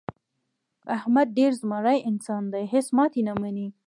احمد ډېر زمری انسان دی. هېڅ ماتې نه مني.